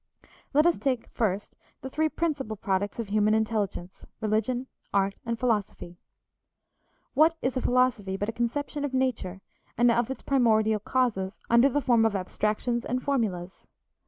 Let us take first the three principal products of human intelligence religion, art, and philosophy. What is a philosophy but a conception of nature and of its primordial causes under the form of abstractions and formulas?